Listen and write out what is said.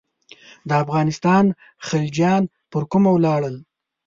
د افغانستان خلجیان پر کومه ولاړل.